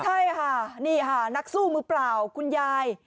ใช่ค่ะนี่ค่ะนักสู้มือเปล่าคุณยาย